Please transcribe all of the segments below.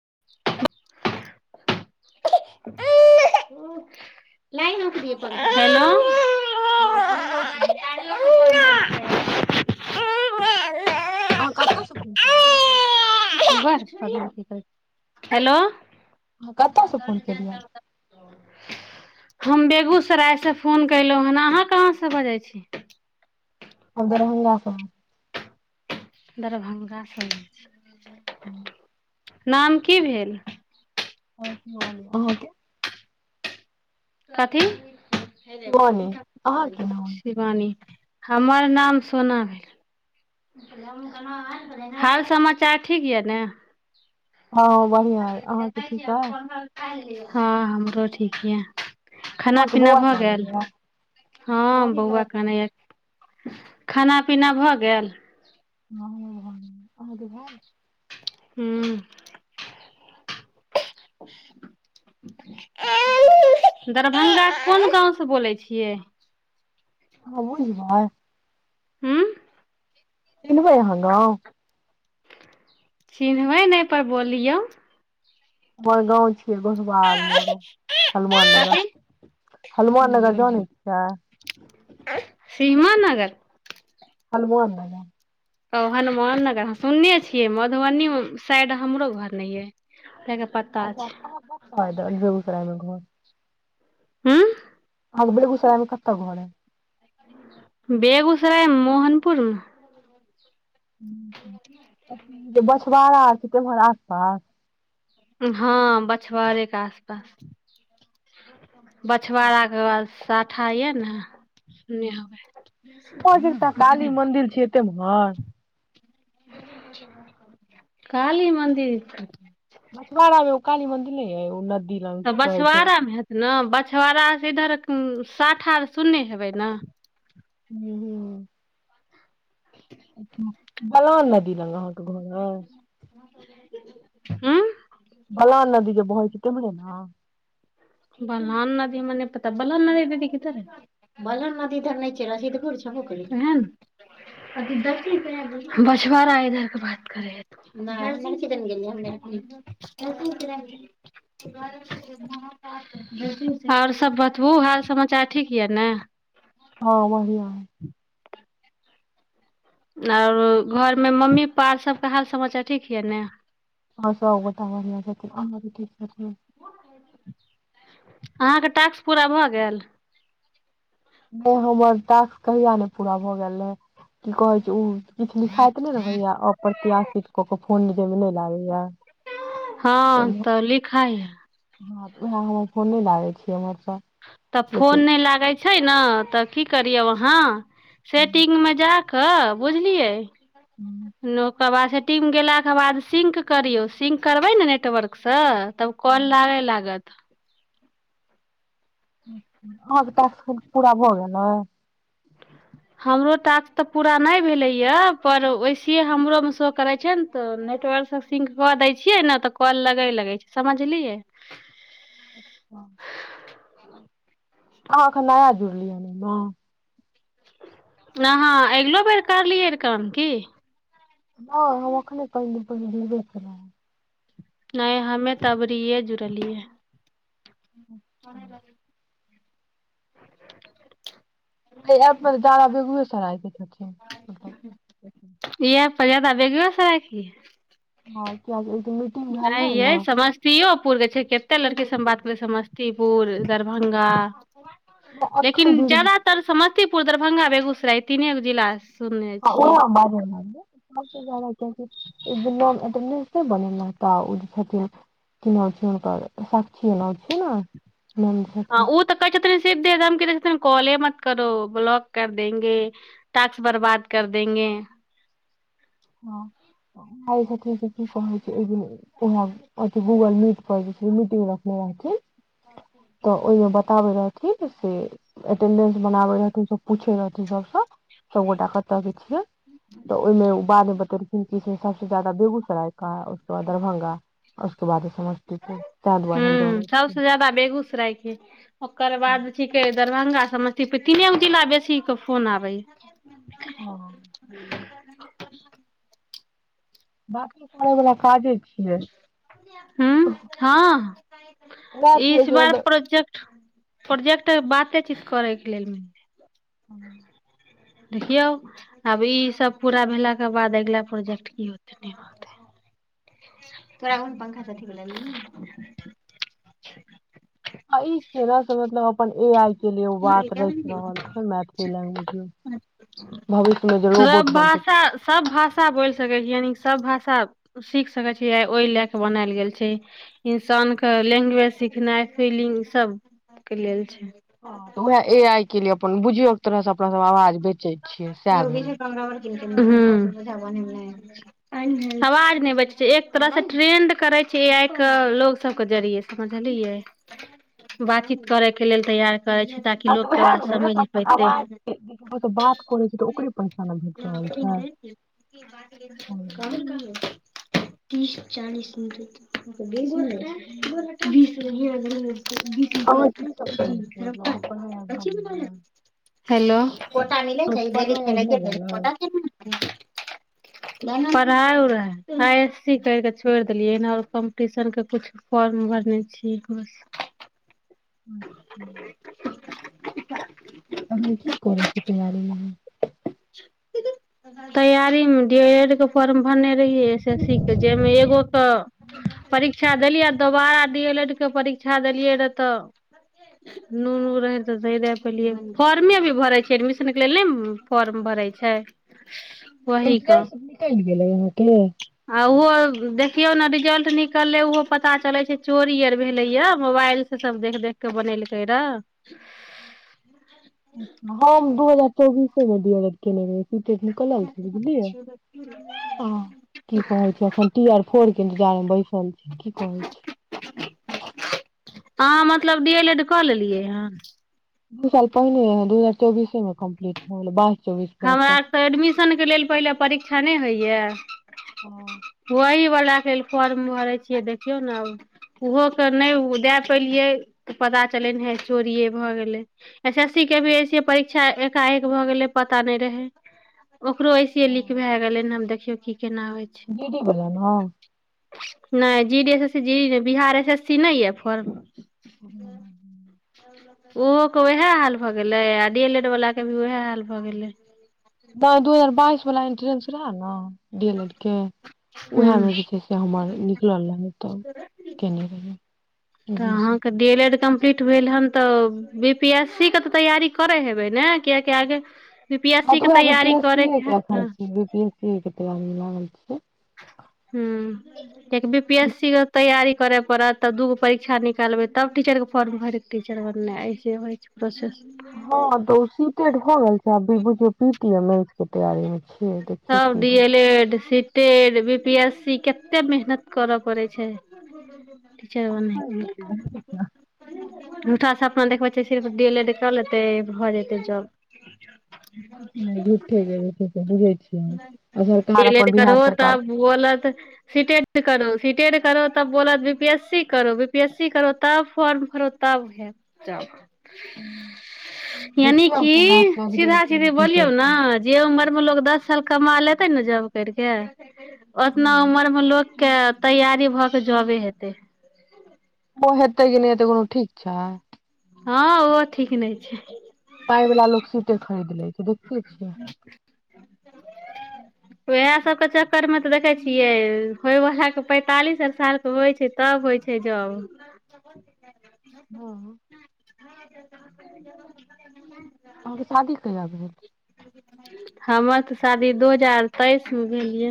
आ [inaudible] लानफ द पोो हँ कहियौ तहन [inaudible] अ कतयसँ फर्स्ट हेलो कतह सँ फोन कलियै हम बेगूसरायसँ फोन कयलहुँ हेन अहाँ कहाँसँ बजै छी हम दरभंगासँ दरभंगासँ ह [unintelligible] नाम की भेल अहाँ कें कथि शिवानी अहाँ के नाम शिवानी हमर नाम सोना भेल हाल समाचार ठीक यए ने हँ बढियां हय अहाँ त ठीक हइ हँ हमरो ठीके हइ खाना अहाँके पीना बौआ भऽ कानै गेल यै हँ अहाँके बौआ कानै यए? कानयया खाना पीना भऽ गेल हाँ हमर भए गेल अहाँ कें भए गेल हुँ दरभगासँ कोन गाँव से बोलै छियै आहाँ बुझबै हुँ चिनबै अहाँ गाम चिनबै नहि पर बोलियौ बड़गांवझ गोढ़वाड़ मोरो हनुमान नगर कथी हनुमान नगर सुनैयो जान छिय श्रीमान नगर हनुमान नगर हाँ हनुमान नगरह सुनने छियै मधुबनी साइड हमरो घर नहि यइ अच्छा कह बेगूसराय मे घर हुँ अहाँ के बेगूसराय मे कत घर या बेगूसराय मोहनपुरमे जे बछवड़ा आर छै तकर आसपास हँ बछवाड़े के आस पास बछवाड़ाक के पास साथा यऽ ने सुनने हेबै त काली ओकरे मन्दिर छै तमे हं काली मन्दिर बछवाड़ा मे ओ काली मन्दि नहि आय ओ नद तऽ बसबाड़ामे हेत ने बछबाड़ा से इधर साठार सुन्ने हेबै ने हूं हूं बलान नदी लग अहाँके घर अय उं बलान नदि ज बहै छै तेम्हरे ने बलान नदी हम नहि पता बलान नदी दीदी किधर है बलान नदी इधर बछवारा इधर के बात कर आओर सब बतबू हाल समाचार ठीक यऽ ने हँ बढियां अय आओर घरमे मम्मी पप्पा सभके हाल समाचार ठीक यए ने हँ सब गोटि बढियां छथिन अहां सब ठीक छथिन अहाँके टास्क पूरा भऽ गेल नहि हमर टास्क कहिया ने पूरा भए गेल रहे की कहे छै ओ किछु लिखाइत नहि रहैया अप्रत्याशित कऽ के फोन जैमे नहि लागैया हँ तैमे तऽ लिखाइ ह हँ उएह हमर फोन नहि लागै छी हमर तऽ फोन नहि लागै छै ने तऽ की करियौ अहाँ सेटिंग मे जा कऽ बुझलियै अहाँके नोक ओकर बाद सेटिंग गेलाके बाद सिंक करियौ सिंक करबै ने नेटवर्कसँ तब काॅल लागे लागत त अहांके टास्क पूरा भऽ गेलै हमरो टास्क तऽ पूरा नहि भेलैए पर वैसेे हमरोमे शो करै छै ने तऽ नेटवर्कसँ सिंक कऽ दै छियै ने तऽ कॉल लगय लगै छै समझलियै अच्छा हँ, एखन नया जुड़लिऐ हँ। न हां अगिलो बेर करलियै काम की नहि हम ओखने पहिने जुड़बे केलौ हं नहि हमे तब एबरिये जुड़लियै अर एप पर ज्यादा बेगूसराय छथिब पहिय तऽ बेगूसराय की आओर क नहि, ई समस्तीपुरक छथि। कते लड़की से हम बात करेै समस्तीपुर दरभंगा लेकिन अखन जुड़ हँ ज्यादातर समझ समस्तपुर दरभंगा बेगूसराय तीनेग जिला सुनने [unintelligible] छियै बन ने तऽ ओी छथिन कना छै ओनकर स्षीना छै ने मैम जे हँ छथिन ओ तऽ क सिधे दम क देख सक कॉले मत करो ब्लॉक कर देेंगे टास्क बर्बाद कर देेंगे हँ, की कहैत छथि? ओ अहाँकेँ गूगल मीट पर मीटिंग रखने छथि? तऽ ओहिमे बताबै रह ओ अटेंडेन्स बना रहल छलथि। सभसँ पुछि रहल छलथि सभगोटे कतयक छी? तऽ ओहिमे बतौलखिन जे सभसँ ज्यादा लोक बेगूसरायक छथि। उसके बाद दरभंगा उसके बाद समस्तीपुर तहदबाद हम ज सराय क ओकर बाद की कह दरभंगा, समस्तीपुर आ बेगूसराय ई तीनू जिलासँ सभसँ बेसी फोन अबैत अछि। हँ [unintelligible] बात करबाके काजे अछि। हँ, उएह छियै एहि से बेर मतलब प्रोजेक्ट अछि। प्रोजेक्ट बाते चित करैके लेल हँ देखियौ, आब ई सभ पूरा भेलाक बाद अगिला प्रोजेक्ट की होयत कि नहि, से तखन बुझाएत। तोहरा लग पंखा ह आ ई केकरा से मतलब अब अपन ए आइ लैंग्वेज मे भविष्य मे जे रोबोट सब बनतै भाषा सब भाषा बोल सकै छी यानि सभ भाषा सीखि सकैत छी। ओहि लेल ई बनायल गेल छै। ई इंसानकेँ भाषा सिखेबाक आ अपन भावना व्यक्त करबाक लेल बनायल गेल छै। वएह अछि। एकरा एना बुझियौ जे एक तरहसँ अपना सभ अपन आवाज बेचैत छी। योगी छै बमरा बर हँ, आवाज नहि बेचैत छै। एक तरहसँ ए आई केँ ट्रेनिंग देल जाइत छै, जाहिसँ ओ लोकसभक बात बुझि सकय आ नीकसँ बातचीत कऽ सकय। बात उहै भेलै पर अबाज कररो सँ बात करै [unintelligible] छै तऽ ओकरे पैसा ने भेट रहल छै तीस चालीसी अहाँ की सब केने छियै मतलब [unintelligible] अहाँके पढ़ाइ आर भऽ गेल ने [unintelligible] हेलो कोटा मिले अहाँके डेली पढ़ाइ आर खेनाइ के भऽ खेतै गेल कोटा केना एतै पढ़ाइ उऽ रहै आइ एस सी कैर कऽ छोड़ देलियै नऽ आओर कम्पटिशन के किछ फॉर्म भरने छी एक बेर अचछा [unintelligible] करै छी तैयारी मे तैयारी डी एल एड के फॉर्म भरने रहियै एस एस सी के जाहिमे एगो के परीक्षा देलियै आ दोबारा डी एल एड के परीक्षा देलियै रहिये तऽ नुनू रहै तऽ नइ देय पेलियै हम फॉर्मे अभी भरै छै एडमिशनके लेल नइ फॉर्म भरै छै वही के इन्ट्रेस निकैल गेलै आहा आ ओहो देख देखियौ नऽ रिजल्ट निकले ओहो पता चलै छै चोरी आर भेले या मोबाइल से सब देख देख के बनेलकै रह हम दू हजार चौबीसे [unintelligible] निकलल छै बुझलियै आ की कहै छै एखन टी आर इ फोर के इन्तजार मे बैसल छै की कहै छी आहा मतलब डी एल एड कऽ लेलियै हन दू साल पहिने दू हजार चौबीसे मऽ कम्प्ली भ गेलै बइ हमरा तऽ एडमिशन के लेल पहिले परीक्षा नइ होइ ऐह ह [unintelligible] के फॉर्म भरे छियै देखियौ न उहो के नहि देय पलिये त पता चल ने हे चोरीेये भए गेले एस एस सी के भी ऐसिये परीक्षा एकाएक भए गेले पता नइ रहे ओकरो ऐसिये लिक हँ भए गेले हम आब देखियौ की केना जी डी बला न नइ G D S S G D नइ बिहार एस एस सी नइ य फर्म हँ हँ ओहो के उएह हाल भए गेलै आ डी एल एड वाला के भी उएह हाल भऽ गेलै ब दू हजार बाइस उ वला इन्ट्रेन्स रहे वेह न डी एल लेड के हूँ उएहमे जे छै से हमर निकलल रहै तऽ केने रही तऽ एडमिशन अहाँके डी एल एड तऽ बी पी एस सी के तैयारी करै हेबै न कियाकी आगे बी पी एस हँ सी तऽ के उहए बी पी तैयारी एस सीये करैके के हैत ने अखन बी पी एस सीके तैयारीमे ह हुं कियाकी बी पी एस सी के तैयारी करै पड़त तब दुगो परीक्षा निकालबै तब टीचरके फॉर्म भरिकऽ टीचर बनइ अइसे होइ छै प्रोसेस हँ तो सीटेड हो गेल छै अभी बुझु सीटमे तैयारीमे छियै देखियौ की होय छै टेड बी पी एस सी कते मेहनत करऽ पड़ै छै टीचर आख बनै झूठा सपना देखबै छै सिर्फ डी एल एड क लेतै भऽ जेतै जाॅब नहि झूठे गय जे सब बुझै छै डी एल एड करबो सरकार तब बोलत सीटेट करो सीटेट करो तब बोलत बी पीएस सी करो बीपी एस सी करो तब फॉर्म फरो तब जाव हुं यानी देखियौ आब कि सौराठ चौधरी आर सीधा के सीधी लेल की बोलियौ करथिन। न जे उमरमे लोक दस कमा लेतै ने जॉब करिके ओतना हूँ। उमर मे लोकके तैयारी भऽ के जाॅबे हेतै ओहो हेतै कि नहि हेतै कोनो ठीक छै हँ ओहो ठीक नहि छै पाय बला लोक सीटे खरीद ले छै देख ठीके छै उएह सभके चक्करमे तऽ देखै छियै होयवलााके पैंतालिस सालके होइ छै तब होइ छै जब हँ [unintelligible] अहाँके शादी कहिया भेल हमर तऽ शादी दू हजार तेइस मे भेलियै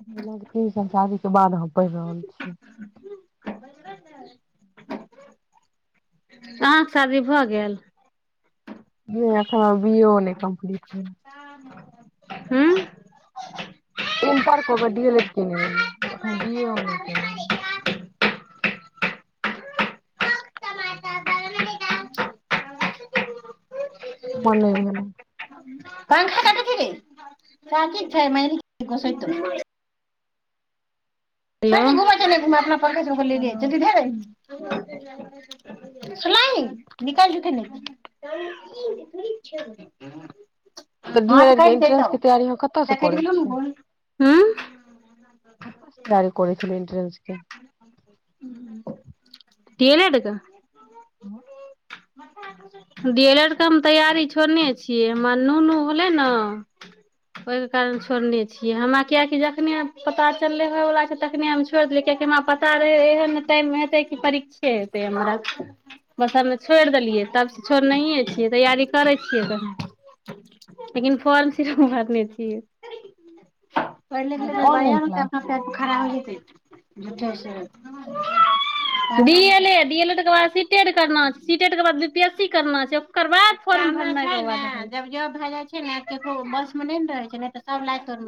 तीन साल शादि के बाद हम पढ़ि रहल छी [inaudible] अहाँके शादी भऽ गेल नै अखन हम बी ए ओ नै कम्प्लीट हो हूँ इंटर कऽ के डी एल एड कने रहिै अखन बी ए ओ नहि केलहु म नहि नहि पंखा के [unintelligible] हंगू चल अपना [unintelligible] पखा च बोलियै हेलो। जी ध ह [unintelligible] सुनाह निकाल जख धीरके इन्ट्रेंसके तैयारी हम कतयसँ करै छियै हँ काररी छल इन्टस के डी एल एड के हँ डीलर के हम तैयारी छोड़ने छियै हमर नू नू होलै ने ओहिके कारण छोड़ने छियै हमरा किियकि जखने पता चललै त छिय हम पता टाइ हे परीक्षे हे हमरा छ देलियै तब छ छ तैय कर छिय लेकिन फॉ सर नहि छ ऑनलाइन क्लास खराब होत ी L एील B P S C करना छै ओकर बाद फर् भर ज जब भए जाइ छै ने ककरो बसमे नहि ने रहै छै तऽ सब ला तो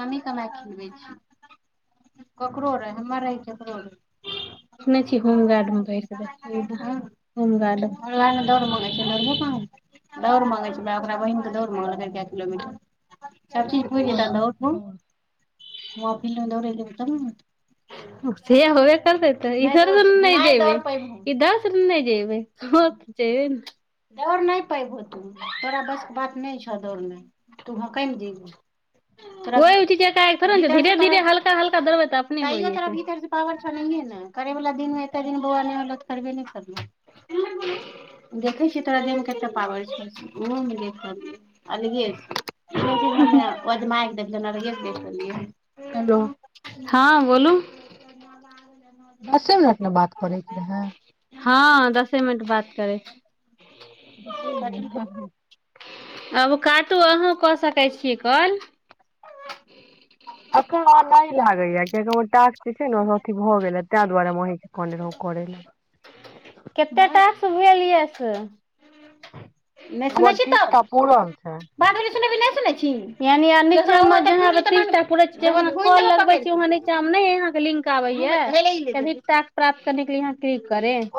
हमही केना ककरो रहै हमर रहै ककरो रहै सुनै छियै होमगार्डमे ब होमगार्डड दौड़ मङ्गै छिय दौड़ मङ्गै छै ओकरा बहिन तऽ दौड़ मङ्गलकै कए किलोमीटर सब चीज होइ जे त दौू हँ स [unintelligible] र [unintelligible] करिन दिन बौ कर देख छ प बल हेलो [inaudible] हँ बोलू दसे मिनट मे बात करै छै नहिाँ हँ दसे मिनट बात करे ओ त होइ गेल आब काटू अहूँ कऽ सकै छीिय कल अखर आ नहि ल गईए जे छै ने अथि भऽ गेले ताहि दुआरे मेह क रह कर ल कतेक तास भेल यऽ से हमर तीस टा पुर रहल छै नह लिंक आब य प्राप्त कर के ल यह क्लिक करे